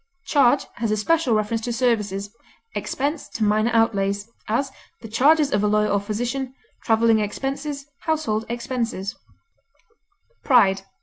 Charge has especial reference to services, expense to minor outlays; as, the charges of a lawyer or physician; traveling expenses; household expenses. PRIDE.